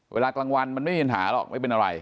เวลากลางวันมันไม่มีปัญหาหรอกไม่เป็นอะไร